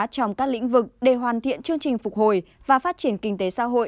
trong các lĩnh vực để hoàn thiện chương trình phục hồi và phát triển kinh tế xã hội